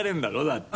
だって。